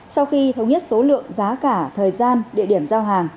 sau khi thống nhất số lượng giá cả thời gian địa điểm giao hàng